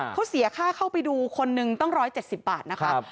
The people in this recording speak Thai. เขาเสียค่าเข้าไปดูคนหนึ่งตั้ง๑๗๐บาทนะคะ